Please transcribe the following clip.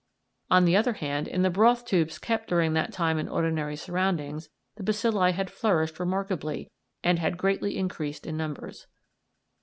On the other hand, in the broth tubes kept during that time in ordinary surroundings, the bacilli had flourished remarkably, and had greatly increased in numbers.